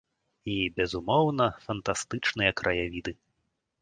І, безумоўна, фантастычныя краявіды.